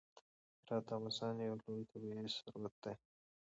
هرات د افغانستان یو لوی طبعي ثروت دی.